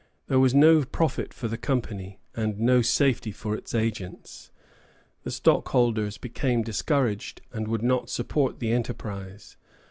There was no profit for the Company, and no safety for its agents. The stockholders became discouraged, and would not support the enterprise.